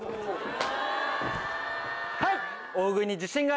はい！